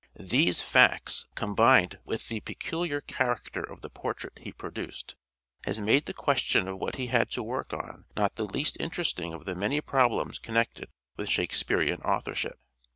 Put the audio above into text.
These facts, combined with the peculiar character of the portrait he produced, has made the question of what he had to work on not the least interesting of the many problems connected with Shakespearean authorship.